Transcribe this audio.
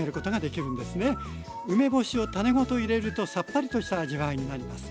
梅干しを種ごと入れるとさっぱりとした味わいになります。